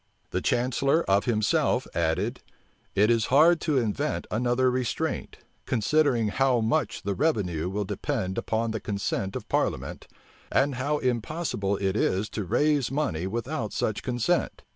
The chancellor of himself added, "It is hard to invent another restraint; considering how much the revenue will depend upon the consent of parliament, and how impossible it is to raise money without such consent.